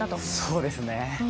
そうですね。